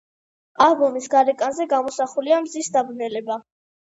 ალბომის გარეკანზე გამოსახულია მზის დაბნელება.